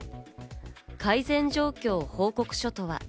改善状況報告書とは？